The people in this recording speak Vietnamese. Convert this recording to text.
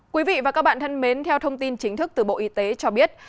quý vị và các bạn thân mến theo thông tin chính thức từ bộ y tế cho biết